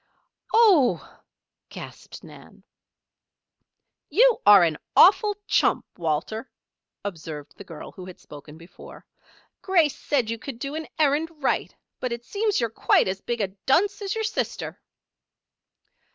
"Oh!" gasped Nan. "You are an awful chump, Walter," observed the girl who had spoken before. "Grace said you could do an errand right; but it seems you're quite as big a dunce as your sister."